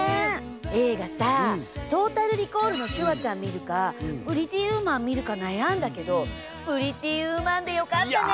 映画さ「トータル・リコール」のシュワちゃん見るか「プリティ・ウーマン」見るか悩んだけど「プリティ・ウーマン」でよかったね。